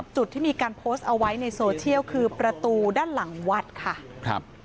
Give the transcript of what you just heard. จุดที่มีการโพสต์เอาไว้ในโซเชียลคือประตูด้านหลังวัดค่ะครับ